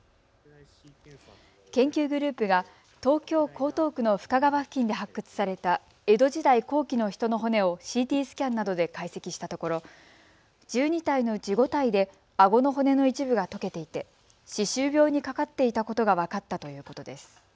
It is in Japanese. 研究グループが東京江東区の深川付近で発掘された江戸時代後期の人の骨をＣＴスキャンなどで解析したところ１２体のうち５体であごの骨の一部が溶けていて歯周病にかかっていたことが分かったということです。